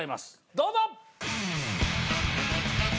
どうぞ！